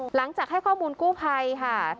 หลังจากให้ข้อมูลกู้ภัยค่ะ